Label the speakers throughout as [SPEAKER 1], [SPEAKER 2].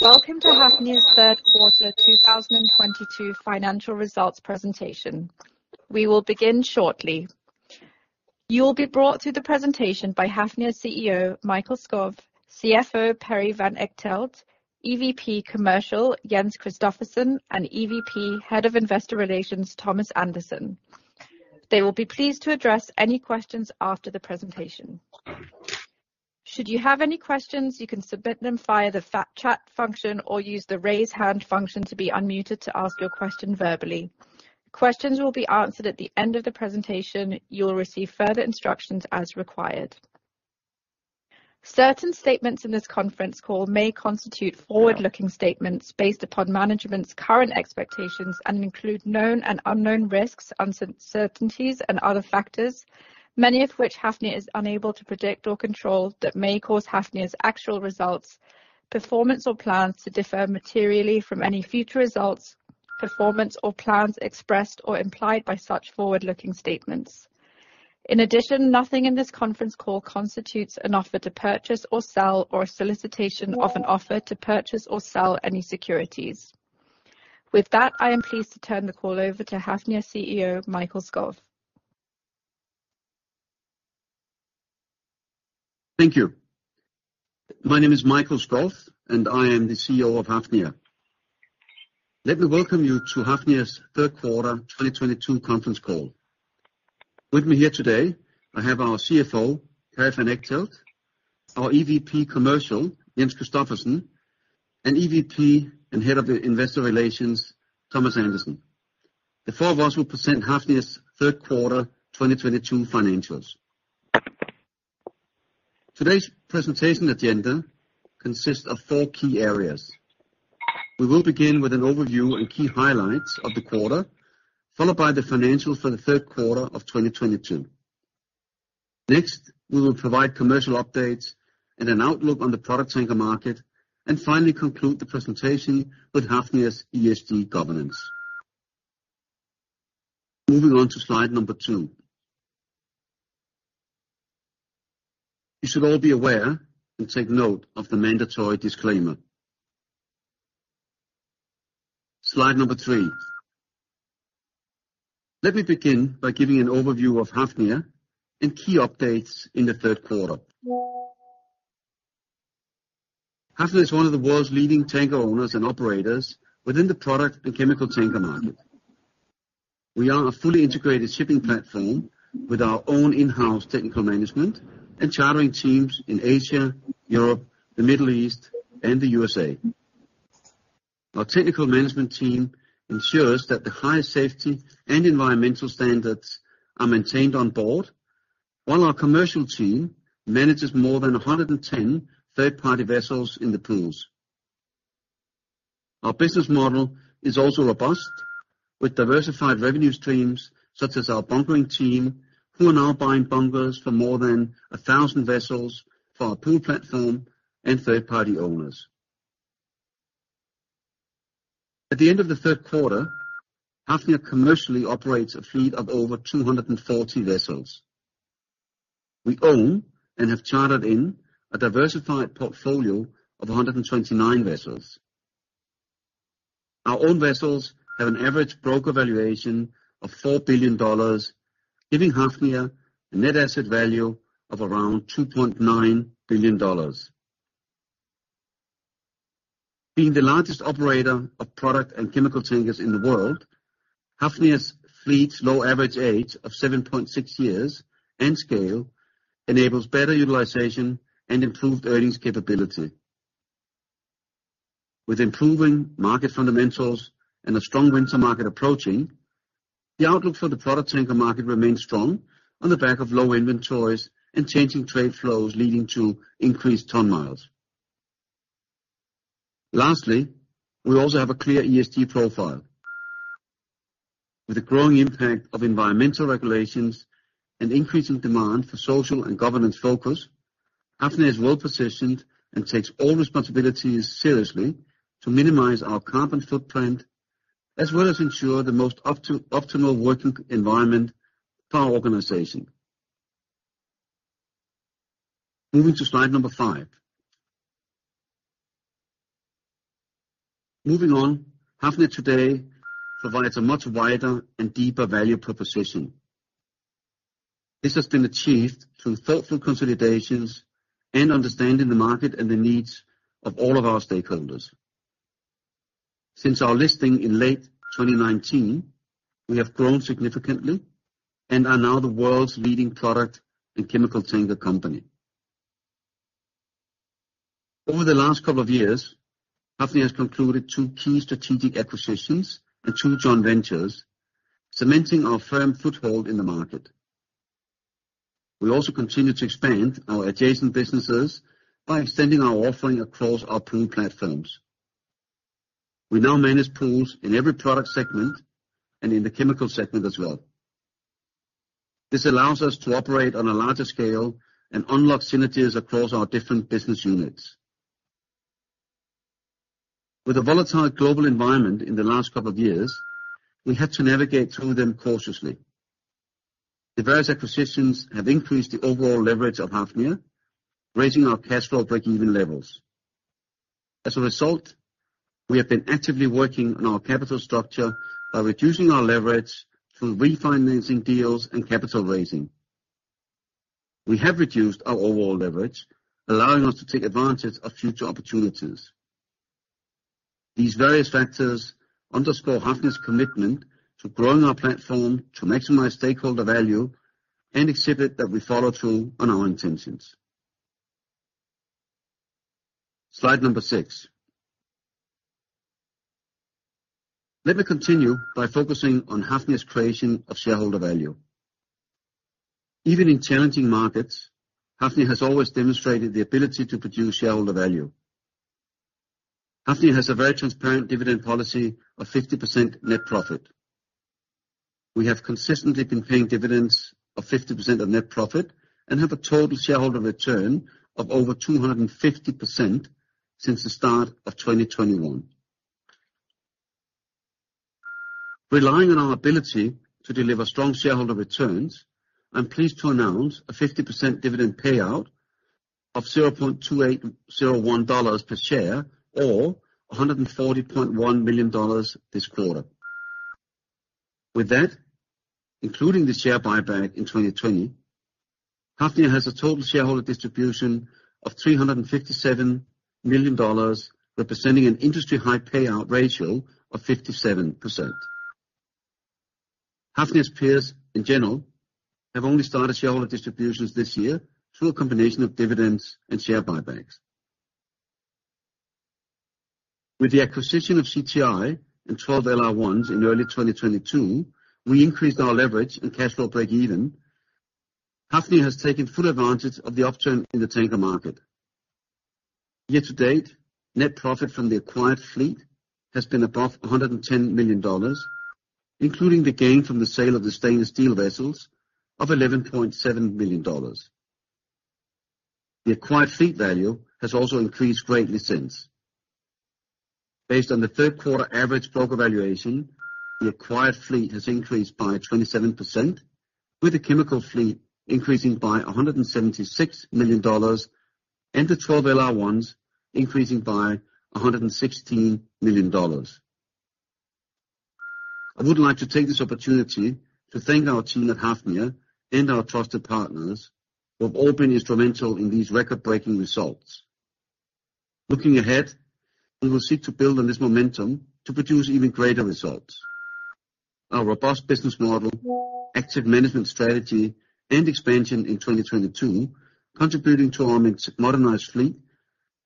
[SPEAKER 1] Welcome to Hafnia's third quarter 2022 financial results presentation. We will begin shortly. You will be brought through the presentation by Hafnia CEO Mikael Skov, CFO Perry van Echtelt, EVP Commercial, Jens Christophersen, and EVP, Head of Investor Relations, Thomas Andersen. They will be pleased to address any questions after the presentation. Should you have any questions, you can submit them via the chat function or use the raise hand function to be unmuted to ask your question verbally. Questions will be answered at the end of the presentation. You will receive further instructions as required. Certain statements in this conference call may constitute forward-looking statements based upon management's current expectations and include known and unknown risks, uncertainties, and other factors, many of which Hafnia is unable to predict or control, that may cause Hafnia's actual results, performance, or plans to differ materially from any future results, performance, or plans expressed or implied by such forward-looking statements. In addition, nothing in this conference call constitutes an offer to purchase or sell, or a solicitation of an offer to purchase or sell any securities. With that, I am pleased to turn the call over to Hafnia CEO, Mikael Skov.
[SPEAKER 2] Thank you. My name is Mikael Skov, and I am the CEO of Hafnia. Let me welcome you to Hafnia's third quarter 2022 conference call. With me here today I have our CFO, Perry van Echtelt, our EVP Commercial, Jens Christophersen, and EVP and Head of the Investor Relations, Thomas Andersen. The four of us will present Hafnia's third quarter 2022 financials. Today's presentation agenda consists of four key areas. We will begin with an overview and key highlights of the quarter, followed by the financials for the third quarter of 2022. Next, we will provide commercial updates and an outlook on the product tanker market, and finally, conclude the presentation with Hafnia's ESG governance. Moving on to slide number two. You should all be aware and take note of the mandatory disclaimer. Slide number three. Let me begin by giving an overview of Hafnia and key updates in the third quarter. Hafnia is one of the world's leading tanker owners and operators within the product and chemical tanker market. We are a fully integrated shipping platform with our own in-house technical management and chartering teams in Asia, Europe, the Middle East, and the USA. Our technical management team ensures that the highest safety and environmental standards are maintained on board, while our commercial team manages more than 110 third-party vessels in the pools. Our business model is also robust, with diversified revenue streams such as our bunkering team, who are now buying bunkers for more than 1,000 vessels for our pool platform and third-party owners. At the end of the third quarter, Hafnia commercially operates a fleet of over 240 vessels. We own and have chartered in a diversified portfolio of 129 vessels. Our own vessels have an average broker valuation of $4 billion, giving Hafnia a net asset value of around $2.9 billion. Being the largest operator of product and chemical tankers in the world, Hafnia's fleet's low average age of 7.6 years, and scale, enables better utilization and improved earnings capability. With improving market fundamentals and a strong winter market approaching, the outlook for the product tanker market remains strong on the back of low inventories and changing trade flows leading to increased ton-miles. Lastly, we also have a clear ESG profile. With the growing impact of environmental regulations and increasing demand for social and governance focus, Hafnia is well-positioned and takes all responsibilities seriously to minimize our carbon footprint, as well as ensure the most optimal working environment for our organization. Moving to slide number five. Moving on. Hafnia today provides a much wider and deeper value proposition. This has been achieved through thoughtful consolidations and understanding the market and the needs of all of our stakeholders. Since our listing in late 2019, we have grown significantly and are now the world's leading product and chemical tanker company. Over the last couple of years, Hafnia has concluded two key strategic acquisitions and two joint ventures, cementing our firm foothold in the market. We also continue to expand our adjacent businesses by extending our offering across our pool platforms. We now manage pools in every product segment and in the chemical segment as well. This allows us to operate on a larger scale and unlock synergies across our different business units. With the volatile global environment in the last couple of years, we had to navigate through them cautiously. The various acquisitions have increased the overall leverage of Hafnia, raising our cash flow breakeven levels. As a result, we have been actively working on our capital structure by reducing our leverage through refinancing deals and capital raising. We have reduced our overall leverage, allowing us to take advantage of future opportunities. These various factors underscore Hafnia's commitment to growing our platform to maximize stakeholder value and exhibit that we follow through on our intentions. Slide number 6. Let me continue by focusing on Hafnia's creation of shareholder value. Even in challenging markets, Hafnia has always demonstrated the ability to produce shareholder value. Hafnia has a very transparent dividend policy of 50% net profit. We have consistently been paying dividends of 50% of net profit and have a total shareholder return of over 250% since the start of 2021. Relying on our ability to deliver strong shareholder returns, I'm pleased to announce a 50% dividend payout of $0.2801 per share or $140.1 million this quarter. With that, including the share buyback in 2020, Hafnia has a total shareholder distribution of $357 million, representing an industry-high payout ratio of 57%. Hafnia's peers, in general, have only started shareholder distributions this year through a combination of dividends and share buybacks. With the acquisition of CTI and 12 LR1s in early 2022, we increased our leverage and cash flow break-even. Hafnia has taken full advantage of the upturn in the tanker market. Year-to-date, net profit from the acquired fleet has been above $110 million, including the gain from the sale of the stainless steel vessels of $11.7 million. The acquired fleet value has also increased greatly since. Based on the third quarter average broker valuation, the acquired fleet has increased by 27%, with the chemical fleet increasing by $176 million, and the 12 LR1s increasing by $116 million. I would like to take this opportunity to thank our team at Hafnia and our trusted partners who have all been instrumental in these record-breaking results. Looking ahead, we will seek to build on this momentum to produce even greater results. Our robust business model, active management strategy, and expansion in 2022, contributing to our modernized fleet,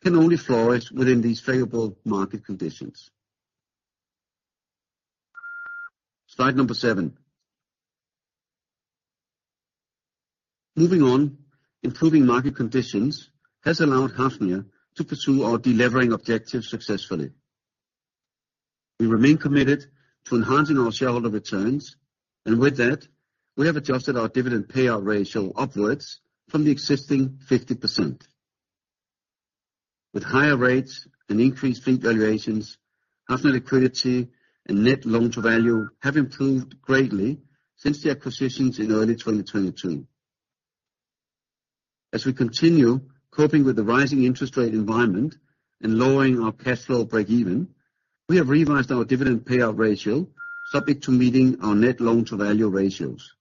[SPEAKER 2] can only flourish within these favorable market conditions. Slide number 7. Moving on, improving market conditions has allowed Hafnia to pursue our delevering objectives successfully. We remain committed to enhancing our shareholder returns, and with that, we have adjusted our dividend payout ratio upwards from the existing 50%. With higher rates and increased fleet valuations, Hafnia liquidity and net loan-to-value have improved greatly since the acquisitions in early 2022. As we continue coping with the rising interest rate environment and lowering our cash flow breakeven, we have revised our dividend payout ratio, subject to meeting our net loan-to-value ratios.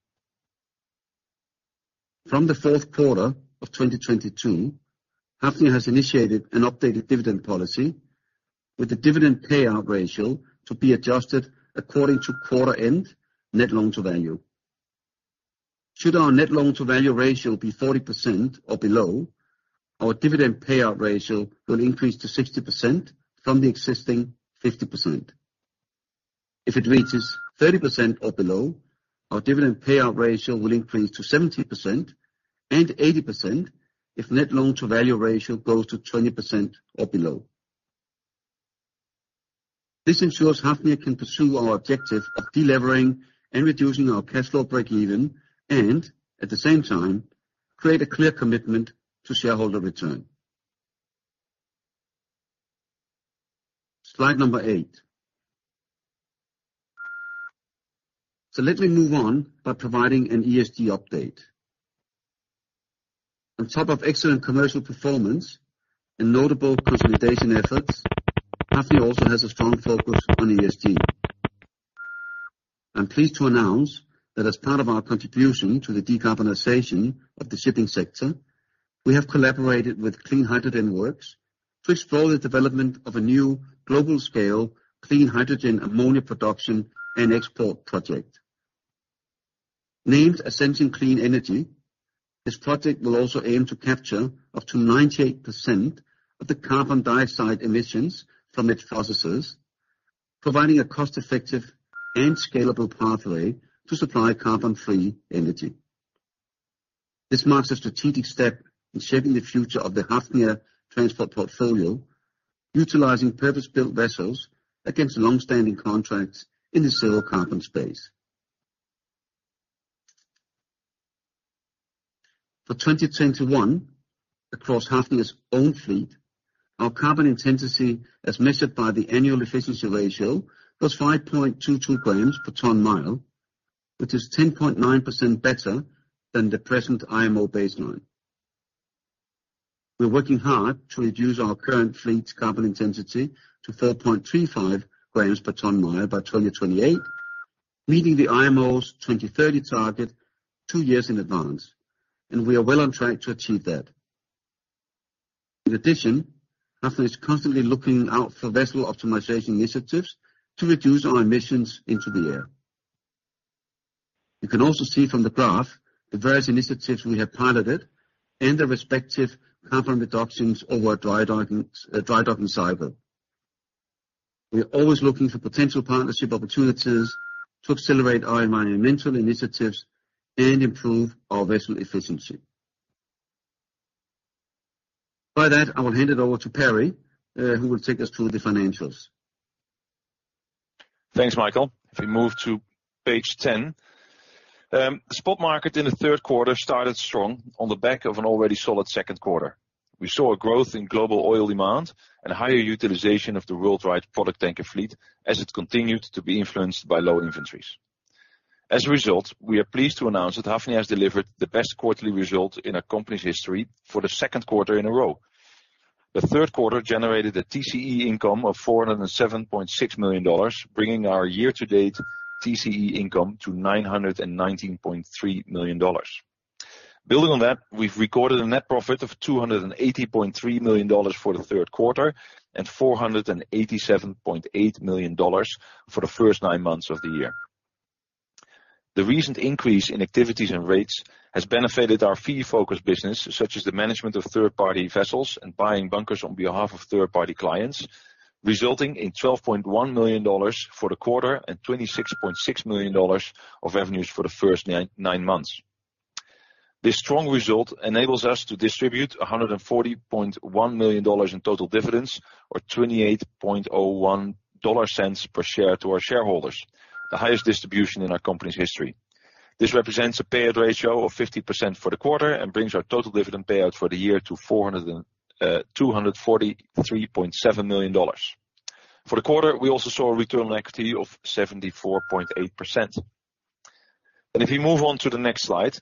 [SPEAKER 2] From the fourth quarter of 2022, Hafnia has initiated an updated dividend policy with the dividend payout ratio to be adjusted according to quarter-end net loan-to-value. Should our net loan-to-value ratio be 40% or below, our dividend payout ratio will increase to 60% from the existing 50%. If it reaches 30% or below, our dividend payout ratio will increase to 70% and 80% if net loan-to-value ratio goes to 20% or below. This ensures Hafnia can pursue our objective of delevering and reducing our cash flow breakeven and, at the same time, create a clear commitment to shareholder return. Slide number 8. Let me move on by providing an ESG update. On top of excellent commercial performance and notable consolidation efforts, Hafnia also has a strong focus on ESG. I'm pleased to announce that as part of our contribution to the decarbonization of the shipping sector, we have collaborated with Clean Hydrogen Works to explore the development of a new global-scale clean hydrogen ammonia production and export project. Named Ascension Clean Energy, this project will also aim to capture up to 98% of the carbon dioxide emissions from its processes, providing a cost-effective and scalable pathway to supply carbon-free energy. This marks a strategic step in shaping the future of the Hafnia transport portfolio, utilizing purpose-built vessels against long-standing contracts in the zero-carbon space. For 2021, across Hafnia's own fleet, our carbon intensity as measured by the Annual Efficiency Ratio was 5.22 grams per ton-mile, which is 10.9% better than the present IMO baseline. We're working hard to reduce our current fleet's carbon intensity to 3.35 grams per ton-mile by 2028, meeting the IMO's 2030 target two years in advance. We are well on track to achieve that. In addition, Hafnia is constantly looking out for vessel optimization initiatives to reduce our emissions into the air. You can also see from the graph the various initiatives we have piloted and their respective carbon reductions over our drydocking cycle. We are always looking for potential partnership opportunities to accelerate our environmental initiatives and improve our vessel efficiency. By that, I will hand it over to Perry who will take us through the financials.
[SPEAKER 3] Thanks, Mikael. If we move to page 10, the spot market in the third quarter started strong on the back of an already solid second quarter. We saw a growth in global oil demand and higher utilization of the worldwide product tanker fleet as it continued to be influenced by low inventories. As a result, we are pleased to announce that Hafnia has delivered the best quarterly result in our company's history for the second quarter in a row. The third quarter generated a TCE income of $407.6 million, bringing our year-to-date TCE income to $919.3 million. Building on that, we've recorded a net profit of $280.3 million for the third quarter and $487.8 million for the first nine months of the year. The recent increase in activities and rates has benefited our fee-focused business, such as the management of third-party vessels and buying bunkers on behalf of third-party clients, resulting in $12.1 million for the quarter and $26.6 million of revenues for the first nine months. This strong result enables us to distribute $140.1 million in total dividends or $0.2801 per share to our shareholders, the highest distribution in our company's history. This represents a payout ratio of 50% for the quarter and brings our total dividend payout for the year to $243.7 million. For the quarter, we also saw a return on equity of 74.8%. If we move on to the next slide,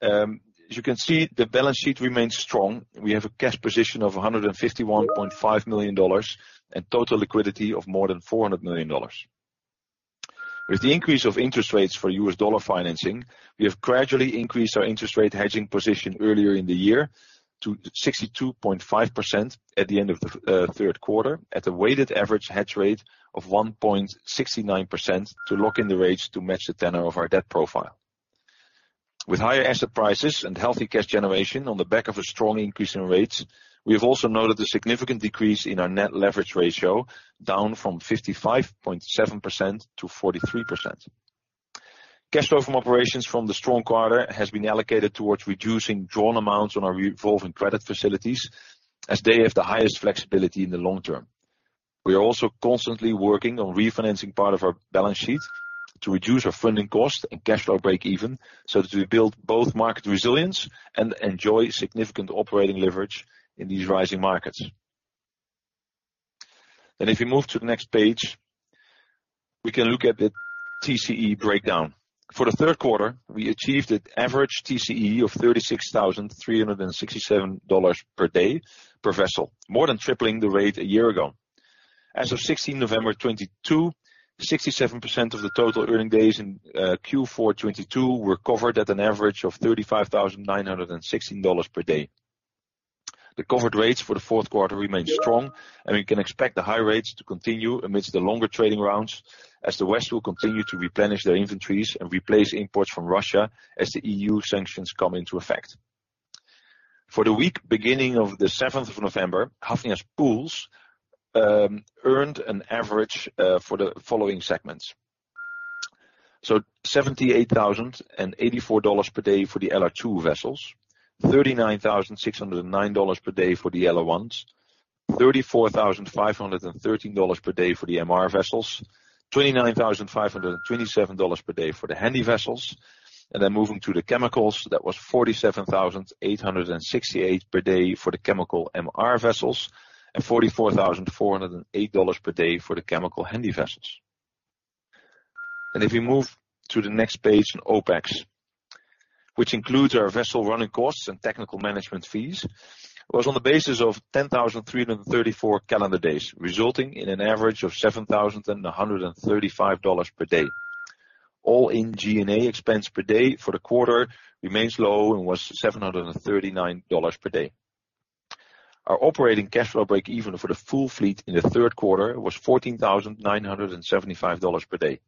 [SPEAKER 3] as you can see, the balance sheet remains strong. We have a cash position of $151.5 million and total liquidity of more than $400 million. With the increase of interest rates for U.S. dollar financing, we have gradually increased our interest rate hedging position earlier in the year to 62.5% at the end of the third quarter at a weighted average hedge rate of 1.69% to lock in the rates to match the tenor of our debt profile. With higher asset prices and healthy cash generation on the back of a strong increase in rates, we have also noted a significant decrease in our net leverage ratio, down from 55.7%-43%. Cash flow from operations from the strong quarter has been allocated towards reducing drawn amounts on our revolving credit facilities as they have the highest flexibility in the long term. We are also constantly working on refinancing part of our balance sheet to reduce our funding cost and cash flow break-even so that we build both market resilience and enjoy significant operating leverage in these rising markets. If we move to the next page, we can look at the TCE breakdown. For the third quarter, we achieved an average TCE of $36,367 per day per vessel, more than tripling the rate a year ago. As of 16th November 2022, 67% of the total earning days in Q4 2022 were covered at an average of $35,916 per day. The covered rates for the fourth quarter remain strong, and we can expect the high rates to continue amidst the longer trading rounds as the West will continue to replenish their inventories and replace imports from Russia as the E.U. sanctions come into effect. For the week beginning of the 7th of November, Hafnia's pools earned an average for the following segments: $78,084 per day for the LR2 vessels, $39,609 per day for the LR1s, $34,513 per day for the MR vessels, $29,527 per day for the Handy vessels. Moving to the chemicals, that was $47,868 per day for the chemical MR vessels and $44,408 per day for the chemical Handy vessels. If we move to the next page on OpEx, which includes our vessel running costs and technical management fees, was on the basis of 10,334 calendar days, resulting in an average of $7,135 per day. All-in G&A expense per day for the quarter remains low and was $739 per day. Our operating cash flow break even for the full fleet in the third quarter was $14,975 per day.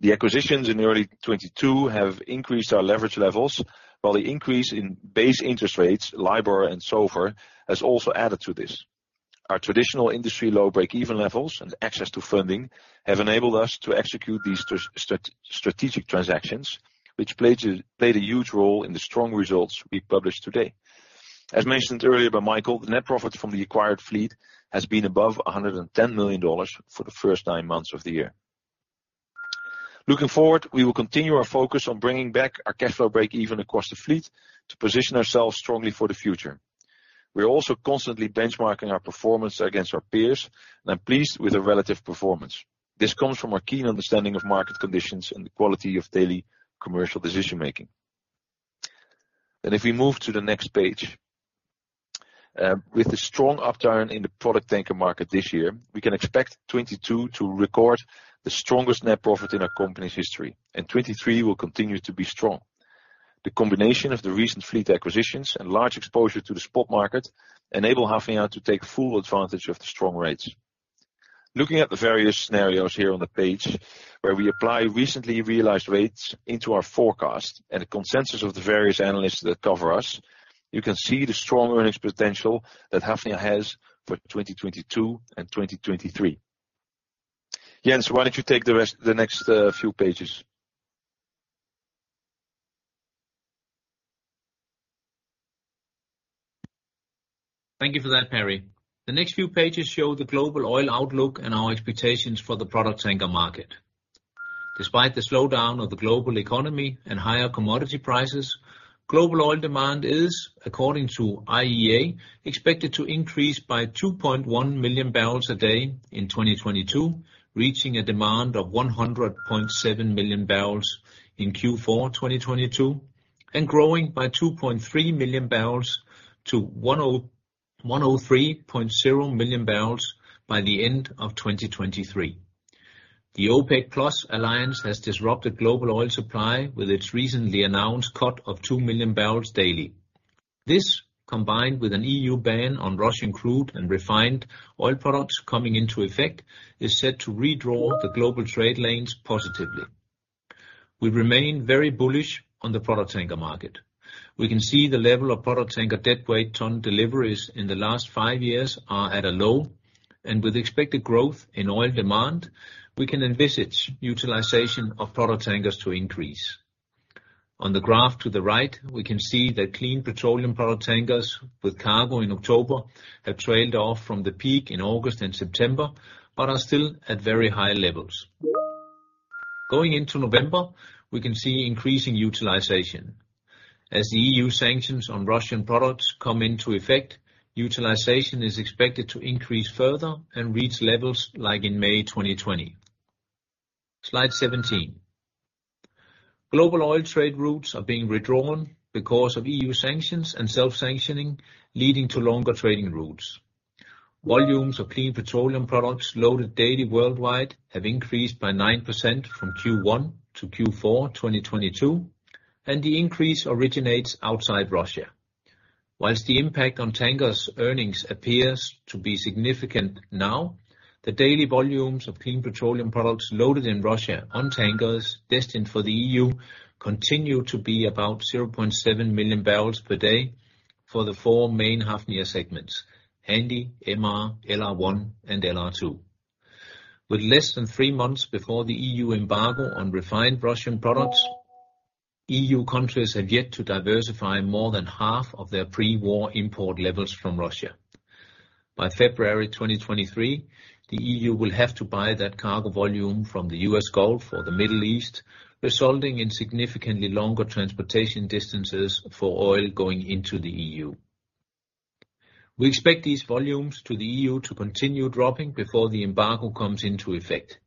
[SPEAKER 3] The acquisitions in early 2022 have increased our leverage levels, while the increase in base interest rates, LIBOR and SOFR, has also added to this. Our traditional industry-low break even levels and access to funding have enabled us to execute these strategic transactions, which played a huge role in the strong results we published today. As mentioned earlier by Mikael, the net profit from the acquired fleet has been above $110 million for the first nine months of the year. Looking forward, we will continue our focus on bringing back our cash flow breakeven across the fleet to position ourselves strongly for the future. We are also constantly benchmarking our performance against our peers, and I'm pleased with the relative performance. This comes from our keen understanding of market conditions and the quality of daily commercial decision-making. If we move to the next page, with the strong upturn in the product tanker market this year, we can expect 2022 to record the strongest net profit in our company's history, and 2023 will continue to be strong. The combination of the recent fleet acquisitions and large exposure to the spot market enable Hafnia to take full advantage of the strong rates. Looking at the various scenarios here on the page, where we apply recently realized rates into our forecast and a consensus of the various analysts that cover us, you can see the strong earnings potential that Hafnia has for 2022 and 2023. Jens, why don't you take the next few pages?
[SPEAKER 4] Thank you for that, Perry. The next few pages show the global oil outlook and our expectations for the product tanker market. Despite the slowdown of the global economy and higher commodity prices, global oil demand is, according to IEA, expected to increase by 2.1 million barrels a day in 2022, reaching a demand of 100.7 million barrels in Q4 2022, and growing by 2.3 million barrels to 103.0 million barrels by the end of 2023. The OPEC+ alliance has disrupted global oil supply with its recently announced cut of 2 million barrels daily. This, combined with an EU ban on Russian crude and refined oil products coming into effect, is set to redraw the global trade lanes positively. We remain very bullish on the product tanker market. We can see the level of product tanker deadweight ton deliveries in the last five years are at a low, and with expected growth in oil demand, we can envisage utilization of product tankers to increase. On the graph to the right, we can see that clean petroleum product tankers with cargo in October have trailed off from the peak in August and September, but are still at very high levels. Going into November, we can see increasing utilization. As the E.U. sanctions on Russian products come into effect, utilization is expected to increase further and reach levels like in May 2020. Slide 17. Global oil trade routes are being redrawn because of E.U. sanctions and self-sanctioning, leading to longer trading routes. Volumes of clean petroleum products loaded daily worldwide have increased by 9% from Q1-Q4 2022, and the increase originates outside Russia. Whilst the impact on tankers' earnings appears to be significant now, the daily volumes of clean petroleum products loaded in Russia on tankers destined for the E.U. continue to be about 0.7 million barrels per day for the four main Hafnia segments, Handy, M.R., LR1, and LR2. With less than three months before the E.U. embargo on refined Russian products, E.U. countries have yet to diversify more than half of their pre-war import levels from Russia. By February 2023, the E.U. will have to buy that cargo volume from the U.S. Gulf or the Middle East, resulting in significantly longer transportation distances for oil going into the E.U. We expect these volumes to the E.U. to continue dropping before the embargo comes into effect.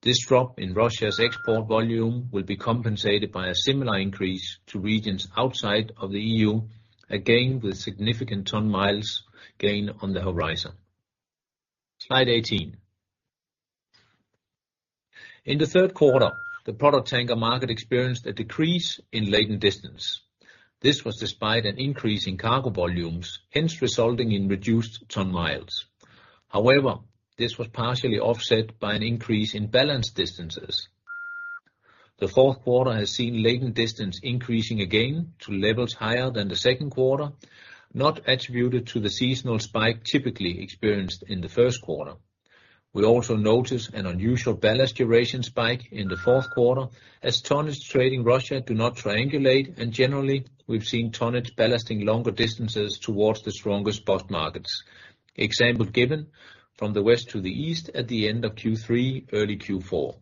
[SPEAKER 4] This drop in Russia's export volume will be compensated by a similar increase to regions outside of the EU, again, with significant ton-miles gain on the horizon. Slide 18. In the third quarter, the product tanker market experienced a decrease in laden distance. This was despite an increase in cargo volumes, hence resulting in reduced ton-miles. However, this was partially offset by an increase in ballast distances. The fourth quarter has seen laden distance increasing again to levels higher than the second quarter, not attributed to the seasonal spike typically experienced in the first quarter. We also notice an unusual ballast duration spike in the fourth quarter, as tonnage trading Russia do not triangulate, and generally, we've seen tonnage ballasting longer distances towards the strongest spot markets. Example given, from the west to the east at the end of Q3, early Q4.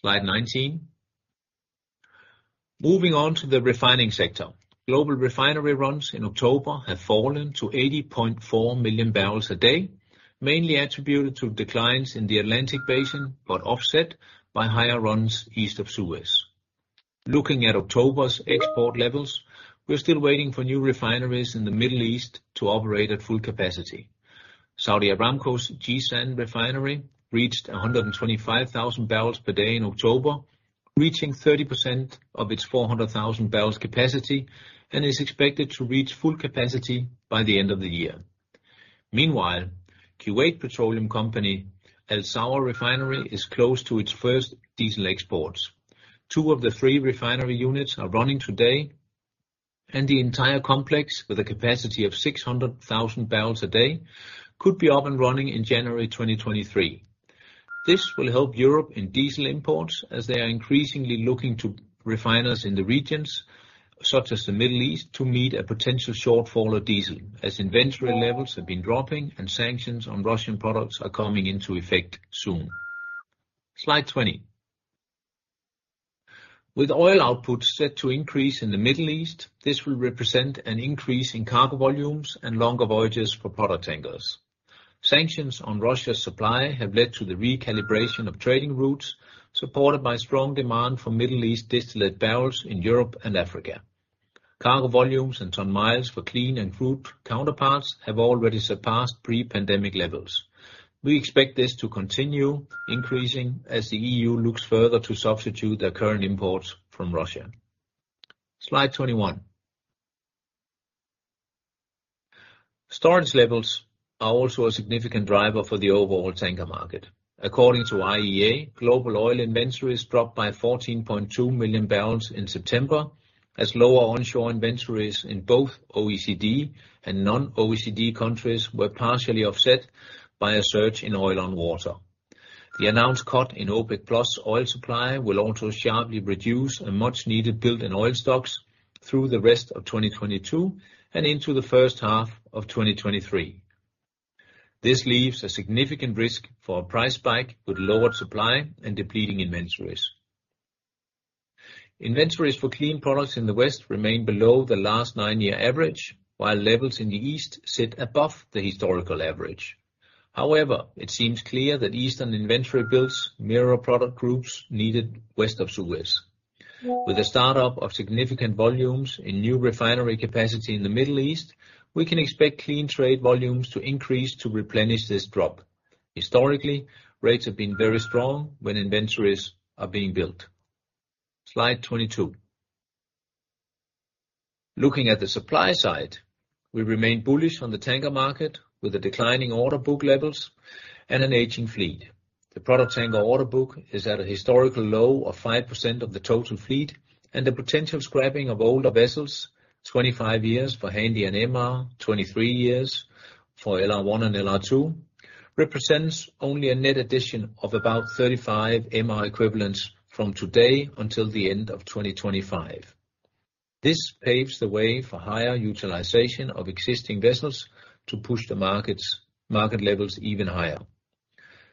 [SPEAKER 4] Slide 19. Moving on to the refining sector. Global refinery runs in October have fallen to 80.4 million barrels a day, mainly attributed to declines in the Atlantic Basin, but offset by higher runs East of Suez. Looking at October's export levels, we're still waiting for new refineries in the Middle East to operate at full capacity. Saudi Aramco's Jizan refinery reached 125,000 barrels per day in October, reaching 30% of its 400,000 barrels capacity, and is expected to reach full capacity by the end of the year. Meanwhile, Kuwait Petroleum Company Al Zour Refinery is close to its first diesel exports. Two of the three refinery units are running today, and the entire complex, with a capacity of 600,000 barrels a day, could be up and running in January 2023. This will help Europe in diesel imports, as they are increasingly looking to refiners in the regions, such as the Middle East, to meet a potential shortfall of diesel, as inventory levels have been dropping and sanctions on Russian products are coming into effect soon. Slide 20. With oil output set to increase in the Middle East, this will represent an increase in cargo volumes and longer voyages for product tankers. Sanctions on Russia's supply have led to the recalibration of trading routes, supported by strong demand for Middle East distillate barrels in Europe and Africa. Cargo volumes and ton-miles for clean and crude counterparts have already surpassed pre-pandemic levels. We expect this to continue increasing as the EU looks further to substitute their current imports from Russia. Slide 21. Storage levels are also a significant driver for the overall tanker market. According to IEA, global oil inventories dropped by 14.2 million barrels in September, as lower onshore inventories in both OECD and non-OECD countries were partially offset by a surge in oil on water. The announced cut in OPEC+ oil supply will also sharply reduce a much-needed build in oil stocks through the rest of 2022 and into the first half of 2023. This leaves a significant risk for a price spike with lowered supply and depleting inventories. Inventories for clean products in the West remain below the last nine-year average, while levels in the East sit above the historical average. However, it seems clear that Eastern inventory builds mirror product groups needed west of Suez. With the start-up of significant volumes in new refinery capacity in the Middle East, we can expect clean trade volumes to increase to replenish this drop. Historically, rates have been very strong when inventories are being built. Slide 22. Looking at the supply side, we remain bullish on the tanker market with the declining order book levels and an aging fleet. The product tanker order book is at a historical low of 5% of the total fleet, and the potential scrapping of older vessels, 25 years for Handy and MR, 23 years for LR1 and LR2, represents only a net addition of about 35 MR equivalents from today until the end of 2025. This paves the way for higher utilization of existing vessels to push the market levels even higher.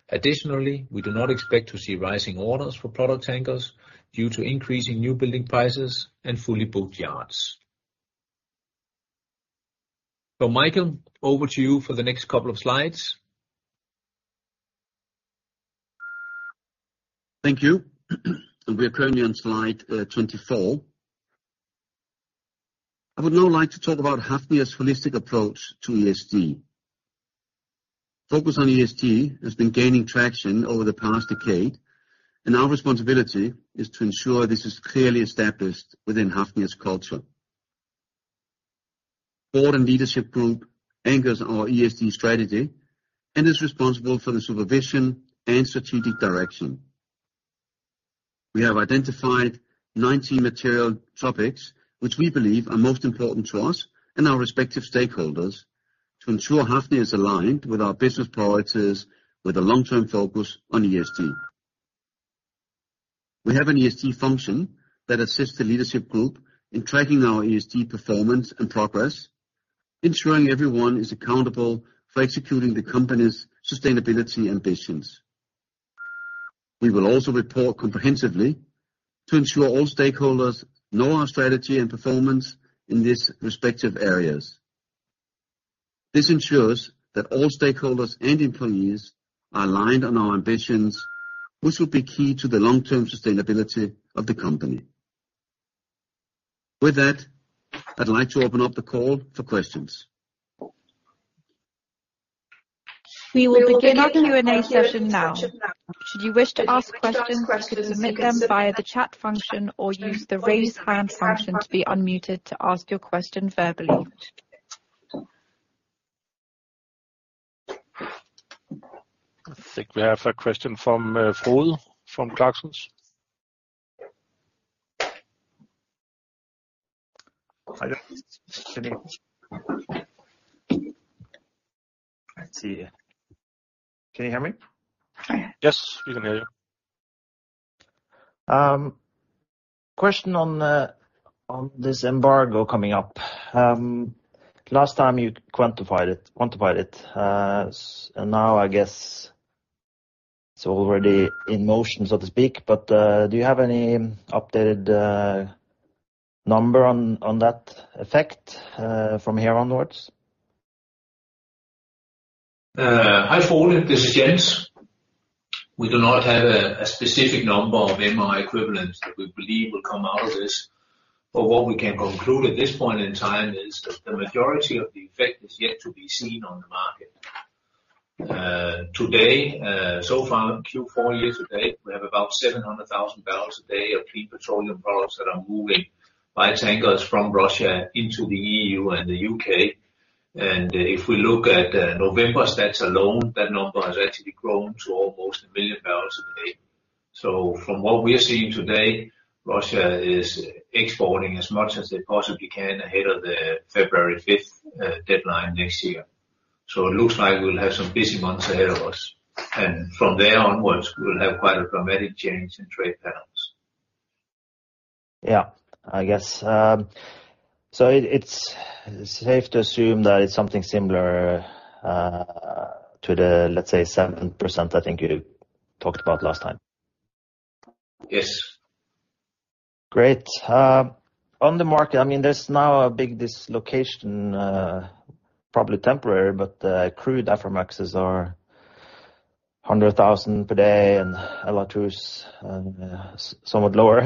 [SPEAKER 4] Additionally, we do not expect to see rising orders for product tankers due to increasing newbuilding prices and fully booked yards. Mikael, over to you for the next couple of slides.
[SPEAKER 2] Thank you. We are currently on slide 24. I would now like to talk about Hafnia's holistic approach to ESG. Focus on ESG has been gaining traction over the past decade, and our responsibility is to ensure this is clearly established within Hafnia's culture. Board and leadership group anchors our ESG strategy and is responsible for the supervision and strategic direction. We have identified 19 material topics which we believe are most important to us and our respective stakeholders to ensure Hafnia is aligned with our business priorities with a long-term focus on ESG. We have an ESG function that assists the leadership group in tracking our ESG performance and progress, ensuring everyone is accountable for executing the company's sustainability ambitions. We will also report comprehensively to ensure all stakeholders know our strategy and performance in these respective areas. This ensures that all stakeholders and employees are aligned on our ambitions, which will be key to the long-term sustainability of the company. With that, I'd like to open up the call for questions.
[SPEAKER 1] We will begin our Q&A session now. Should you wish to ask questions, you can submit them via the chat function or use the raise hand function to be unmuted to ask your question verbally.
[SPEAKER 3] I think we have a question from Frode Mørkedal from Clarksons.
[SPEAKER 5] Hiya. Let's see. Can you hear me?
[SPEAKER 3] Yes, we can hear you.
[SPEAKER 5] Question on this embargo coming up. Last time you quantified it. Now I guess it's already in motion, so to speak, but do you have any updated number on that effect from here onwards?
[SPEAKER 4] Hi Frode. This is Jens. We do not have a specific number of MR equivalents that we believe will come out of this. What we can conclude at this point in time is that the majority of the effect is yet to be seen on the market. So far in Q4 year to date, we have about 700,000 barrels a day of clean petroleum products that are moving by tankers from Russia into the EU and the U.K. If we look at November stats alone, that number has actually grown to almost 1 million barrels a day. From what we are seeing today, Russia is exporting as much as they possibly can ahead of the February 5th deadline next year. It looks like we'll have some busy months ahead of us. From there onwards, we will have quite a dramatic change in trade patterns.
[SPEAKER 5] Yeah, I guess. It's safe to assume that it's something similar to the, let's say, 7% I think you talked about last time.
[SPEAKER 2] Yes.
[SPEAKER 5] Great. On the market, I mean, there's now a big dislocation, probably temporary, but the crude Aframaxes are $100,000 per day and LR2s are somewhat lower.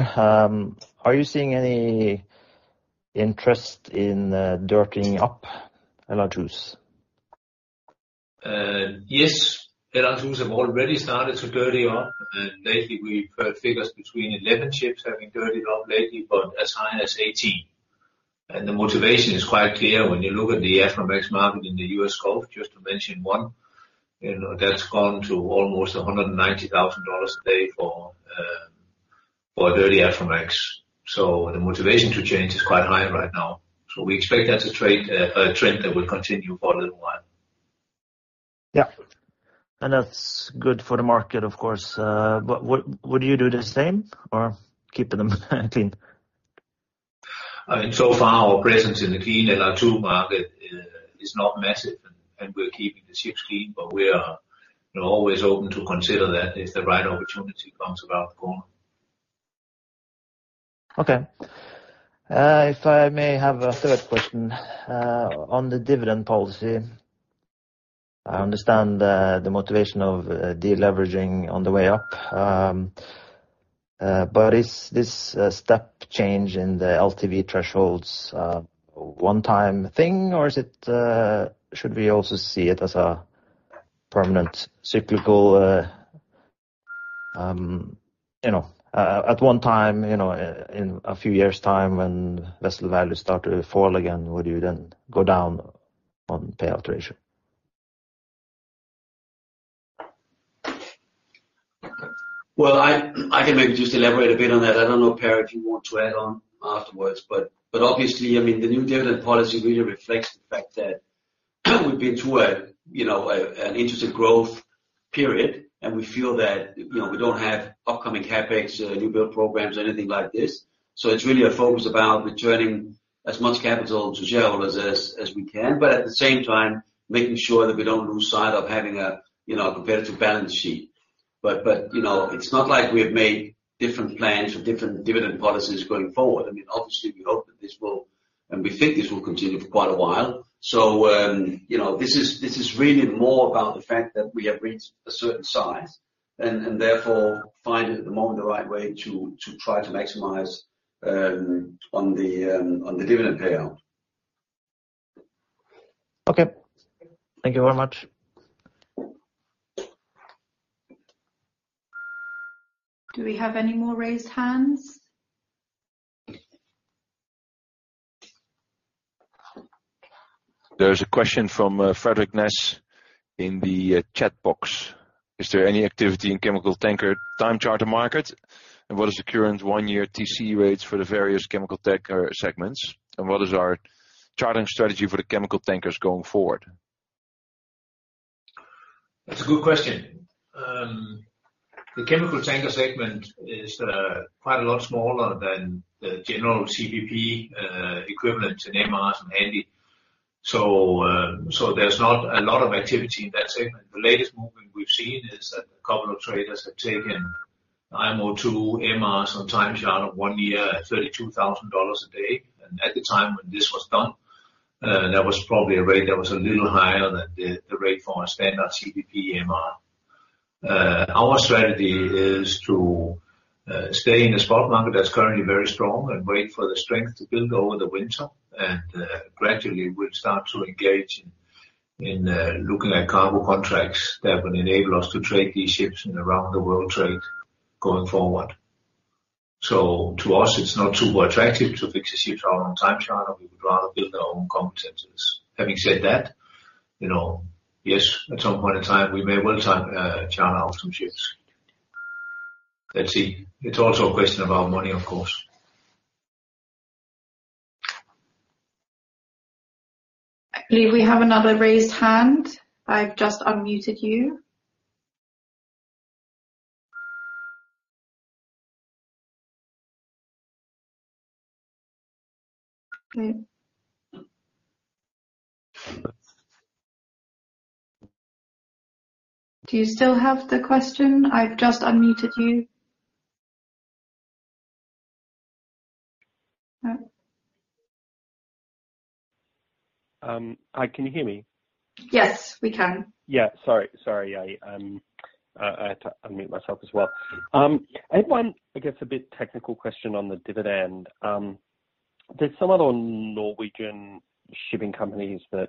[SPEAKER 5] Are you seeing any interest in dirtying up LR2s?
[SPEAKER 2] Yes. LR2s have already started to dirty up, and lately we've heard figures between 11 ships having dirtied up lately, but as high as 18. The motivation is quite clear when you look at the Aframax market in the U.S. Gulf, just to mention one. You know, that's gone to almost $190,000 a day for a dirty Aframax. The motivation to change is quite high right now. We expect that trend that will continue for a little while.
[SPEAKER 5] Yeah. That's good for the market, of course. Would you do the same or keep them clean?
[SPEAKER 2] I mean, so far our presence in the clean LR2 market is not massive and we're keeping the ships clean, but we are, you know, always open to consider that if the right opportunity comes about the corner.
[SPEAKER 5] Okay. If I may have a third question. On the dividend policy, I understand the motivation of deleveraging on the way up. Is this step change in the LTV thresholds a one-time thing? Should we also see it as a permanent cyclical, you know, in a few years' time when vessel values start to fall again, would you then go down on payout ratio?
[SPEAKER 2] Well, I can maybe just elaborate a bit on that. I don't know, Perry van Echtelt, if you want to add on afterwards. Obviously, I mean, the new dividend policy really reflects the fact that we've been through, you know, an interesting growth period, and we feel that, you know, we don't have upcoming CapEx, new build programs or anything like this. It's really a focus about returning as much capital to shareholders as we can. At the same time, making sure that we don't lose sight of having, you know, a competitive balance sheet. You know, it's not like we've made different plans or different dividend policies going forward. I mean, obviously we hope that this will, and we think this will continue for quite a while. You know, this is really more about the fact that we have reached a certain size and therefore find it at the moment the right way to try to maximize on the dividend payout.
[SPEAKER 5] Okay. Thank you very much.
[SPEAKER 1] Do we have any more raised hands?
[SPEAKER 3] There's a question from Frederik Ness in the chat box. Is there any activity in chemical tanker time charter market? What is the current one-year TC rates for the various chemical tanker segments? What is our chartering strategy for the chemical tankers going forward?
[SPEAKER 2] That's a good question. The chemical tanker segment is quite a lot smaller than the general CPP equivalent in MRs and Handys. There's not a lot of activity in that segment. The latest movement we've seen is that a couple of traders have taken IMO 2 MRs on time charter one year at $32,000 a day. At the time when this was done, that was probably a rate that was a little higher than the rate for a standard CPP MR. Our strategy is to stay in a spot market that's currently very strong and wait for the strength to build over the winter. Gradually we'll start to engage in looking at cargo contracts that will enable us to trade these ships in around the world trade going forward. To us, it's not super attractive to fix the ships on our own time charter. We would rather build our own competencies. Having said that, you know, yes, at some point in time, we may well time charter out some ships. Let's see. It's also a question about money, of course.
[SPEAKER 1] I believe we have another raised hand. I've just unmuted you. Okay. Do you still have the question? I've just unmuted you. No?
[SPEAKER 5] Hi, can you hear me?
[SPEAKER 1] Yes, we can.
[SPEAKER 5] Yeah, sorry. I had to unmute myself as well. I had one, I guess, a bit technical question on the dividend. There's some other Norwegian shipping companies that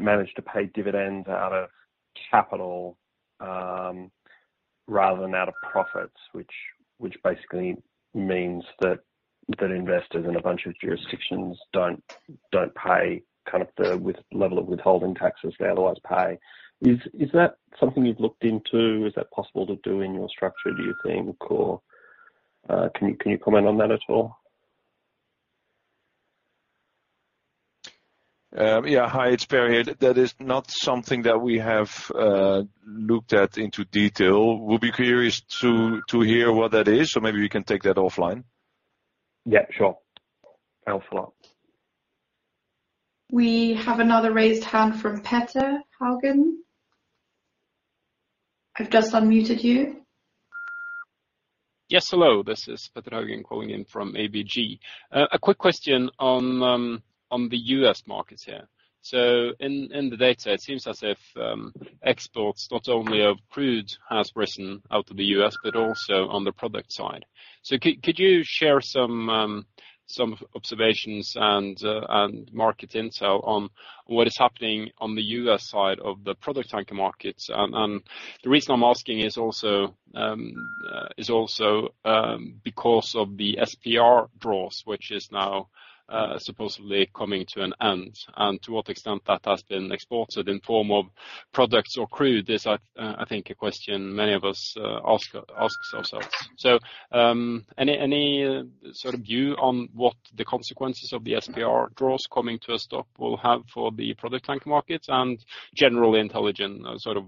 [SPEAKER 5] manage to pay dividends out of capital rather than out of profits, which basically means that investors in a bunch of jurisdictions don't pay kind of the level of withholding taxes they otherwise pay. Is that something you've looked into? Is that possible to do in your structure, do you think? Can you comment on that at all?
[SPEAKER 3] Yeah. Hi, it's Perry van Echtelt here. That is not something that we have looked at into detail. We'll be curious to hear what that is, so maybe we can take that offline.
[SPEAKER 2] Yeah, sure. Thanks a lot.
[SPEAKER 1] We have another raised hand from Petter Haugen. I've just unmuted you.
[SPEAKER 6] Yes, hello. This is Petter Haugen calling in from ABG. A quick question on the U.S. markets here. In the data, it seems as if exports, not only of crude has risen out of the U.S., but also on the product side. Could you share some observations and market intel on what is happening on the U.S. side of the product tanker markets? The reason I'm asking is also because of the SPR draws, which is now supposedly coming to an end. To what extent that has been exported in form of products or crude is, I think a question many of us ask ourselves. Any sort of view on what the consequences of the SPR draws coming to a stop will have for the product tanker markets and general intelligent sort of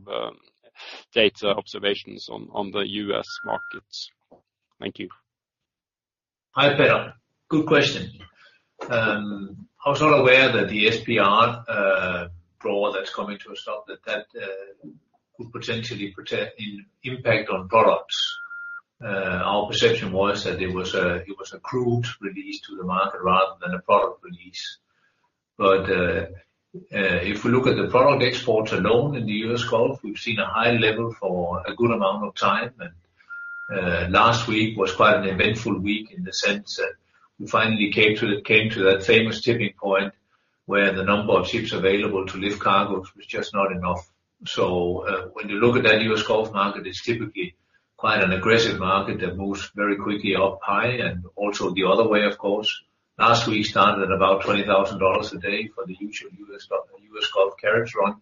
[SPEAKER 6] data observations on the U.S. markets? Thank you.
[SPEAKER 2] Hi, Petter. Good question. I was not aware that the SPR draw that's coming to a stop that could potentially impact on products. Our perception was that it was a crude release to the market rather than a product release. If we look at the product exports alone in the U.S. Gulf, we've seen a high level for a good amount of time, and last week was quite an eventful week in the sense that we finally came to that famous tipping point where the number of ships available to lift cargoes was just not enough. When you look at that U.S. Gulf market, it's typically quite an aggressive market that moves very quickly up high and also the other way of course. Last week started about $20,000 a day for the usual U.S. Gulf carriage run,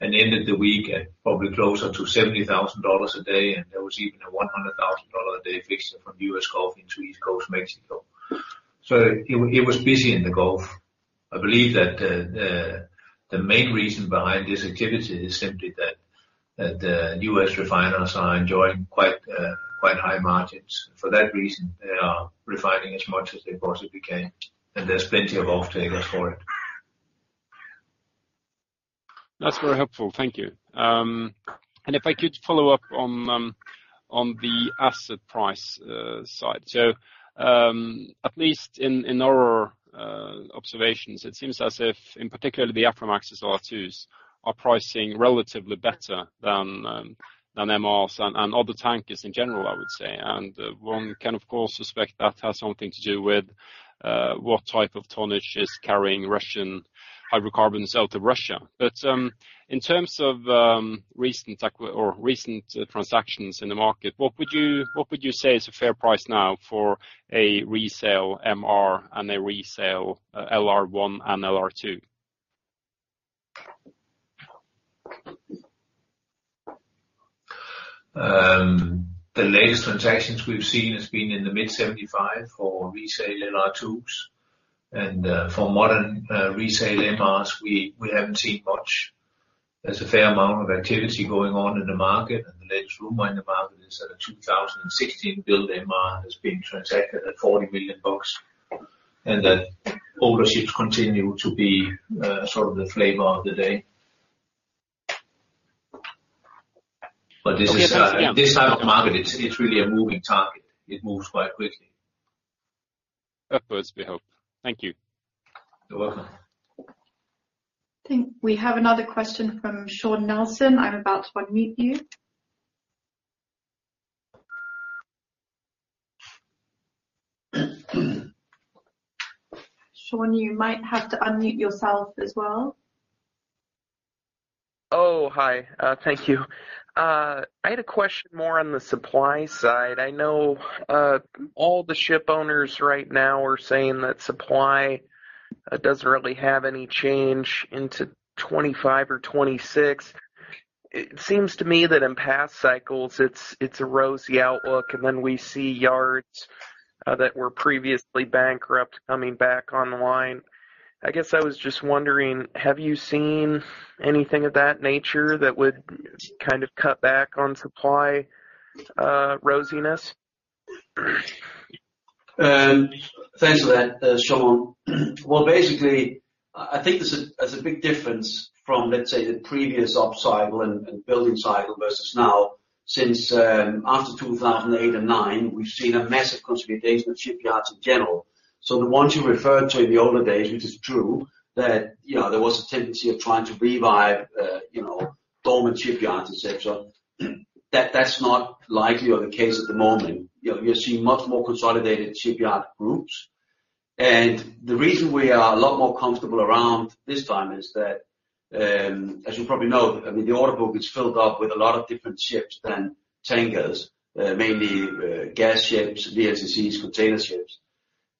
[SPEAKER 2] and ended the week at probably closer to $70,000 a day, and there was even a $100,000 a day fixture from U.S. Gulf into East Coast Mexico. It was busy in the Gulf. I believe that the main reason behind this activity is simply that U.S. refiners are enjoying quite high margins. For that reason, they are refining as much as they possibly can, and there's plenty of off-takers for it.
[SPEAKER 6] That's very helpful. Thank you. If I could follow up on the asset price side. At least in our observations, it seems as if, in particular the Aframax LR2s are pricing relatively better than MRs and other tankers in general, I would say. One can of course suspect that has something to do with what type of tonnage is carrying Russian hydrocarbons out of Russia. In terms of recent transactions in the market, what would you say is a fair price now for a resale MR and a resale LR1 and LR2?
[SPEAKER 2] The latest transactions we've seen has been in the mid-$75 for resale LR2s. For modern resale MRs, we haven't seen much. There's a fair amount of activity going on in the market. The latest rumor in the market is that a 2016 built MR has been transacted at $40 million bucks, and that older ships continue to be sort of the flavor of the day.
[SPEAKER 6] Okay. Yes, yeah.
[SPEAKER 2] This type of market, it's really a moving target. It moves quite quickly.
[SPEAKER 6] Of course, we hope. Thank you.
[SPEAKER 2] You're welcome.
[SPEAKER 1] I think we have another question from Sean Nelson. I'm about to unmute you. Sean, you might have to unmute yourself as well.
[SPEAKER 7] Oh, hi. Thank you. I had a question more on the supply side. I know all the shipowners right now are saying that supply doesn't really have any change into 2025 or 2026. It seems to me that in past cycles, it's a rosy outlook. We see yards that were previously bankrupt coming back online. I guess I was just wondering, have you seen anything of that nature that would kind of cut back on supply rosiness?
[SPEAKER 2] Thanks for that, Sean. Well, basically, I think there's a big difference from, let's say, the previous upcycle and building cycle versus now. Since after 2008 and 2009, we've seen a massive consolidation of shipyards in general. The ones you referred to in the older days, which is true, that, you know, there was a tendency of trying to revive dormant shipyards, et cetera. That's not likely or the case at the moment. You know, you're seeing much more consolidated shipyard groups. The reason we are a lot more comfortable around this time is that, as you probably know, I mean, the order book is filled up with a lot of different ships than tankers. Mainly gas ships, VLCCs, container ships.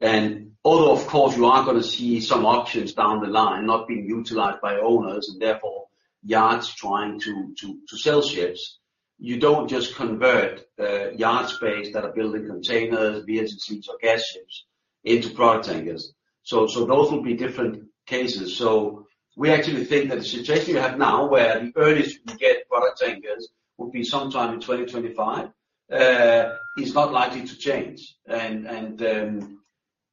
[SPEAKER 2] Although, of course, you are gonna see some options down the line not being utilized by owners, and therefore yards trying to sell ships, you don't just convert yard space that are building containers, VLCCs, or gas ships into product tankers. Those will be different cases. We actually think that the situation we have now, where the earliest you can get product tankers would be sometime in 2025, is not likely to change.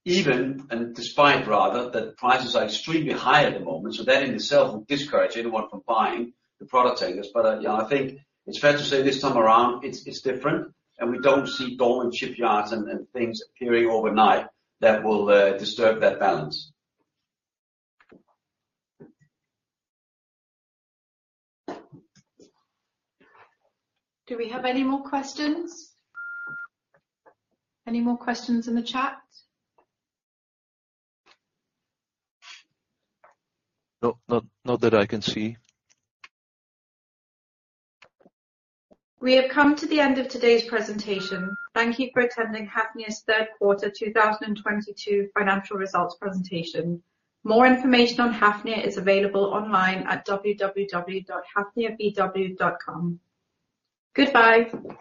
[SPEAKER 2] Despite rather that prices are extremely high at the moment, so that in itself will discourage anyone from buying the product tankers. Yeah, I think it's fair to say this time around it's different, and we don't see dormant shipyards and things appearing overnight that will disturb that balance.
[SPEAKER 1] Do we have any more questions? Any more questions in the chat?
[SPEAKER 2] No, not that I can see.
[SPEAKER 1] We have come to the end of today's presentation. Thank you for attending Hafnia's third quarter 2022 financial results presentation. More information on Hafnia is available online at www.hafniabw.com. Goodbye.